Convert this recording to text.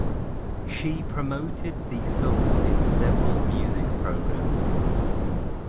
She promoted the song in several music programs.